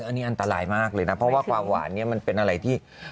อันนี้อันตรายมากเลยนะเพราะว่าความหวานเนี่ยมันเป็นอะไรที่